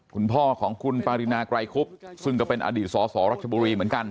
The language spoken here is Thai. คุณพ่อของคุณปารินาไกรคุบซึ่งก็เป็นอดีตสสรัชบุรีเหมือนกัน